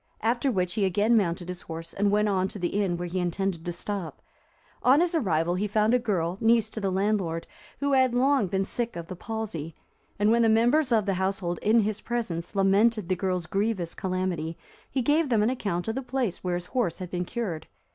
After which he again mounted his horse, and went on to the inn where he intended to stop. On his arrival he found a girl, niece to the landlord, who had long been sick of the palsy; and when the members of the household, in his presence, lamented the girl's grievous calamity, he gave them an account of the place where his horse had been cured.